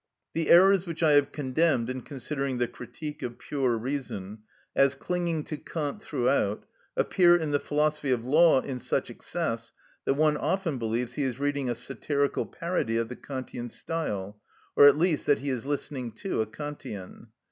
The errors which I have condemned in considering the "Critique of Pure Reason," as clinging to Kant throughout, appear in the "Philosophy of Law" in such excess that one often believes he is reading a satirical parody of the Kantian style, or at least that he is listening to a Kantian.